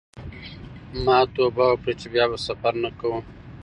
ما توبه وکړه چې بیا به سفر نه کوم.